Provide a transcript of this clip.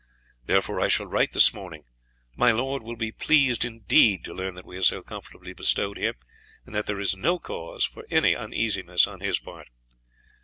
Therefore I shall write this morning; my lord will be pleased indeed to learn that we are so comfortably bestowed here, and that there is no cause for any uneasiness on his part."